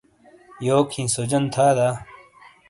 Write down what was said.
یوک ھی، سوجون تھا دا